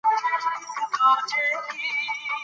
خاوره د افغانستان د جغرافیایي موقیعت یوه لویه پایله ده.